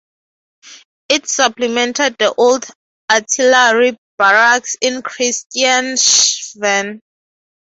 It supplemented the Old Artillery Barracks in Christianshavn.